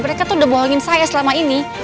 mereka tuh udah bohongin saya selama ini